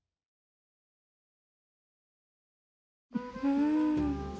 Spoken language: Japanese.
うん。